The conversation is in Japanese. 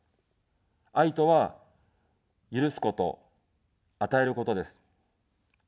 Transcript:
愛とは、許すこと、与えることです。